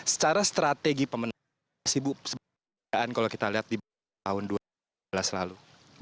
secara strategi pemenangnya si bu seberapa keadaan kalau kita lihat di tahun dua ribu tiga belas lalu